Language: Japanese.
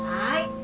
はい！